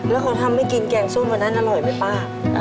แล้วเขาทำให้กินแกงส้มวันนั้นอร่อยไหมป้า